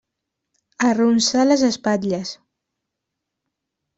Arronsà les espatlles.